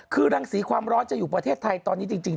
คือรังสีความร้อนจะอยู่ประเทศไทยตอนนี้จริง